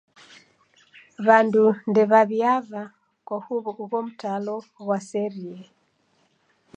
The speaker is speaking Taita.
W'andu ndew'aw'iava kwa huw'o ugho mtalo ghwaserie.